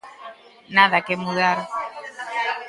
Nada que mudar.